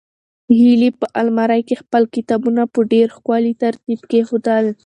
هیلې په المارۍ کې خپل کتابونه په ډېر ښکلي ترتیب کېښودل.